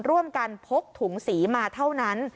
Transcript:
ร่วมกันพกถุงสีมาเท่านั้น